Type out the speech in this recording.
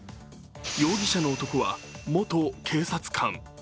容疑者の男は、元警察官。